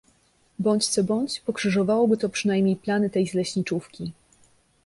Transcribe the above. Bądź co bądź pokrzyżowałoby to przynajmniej plany tej z leśniczówki.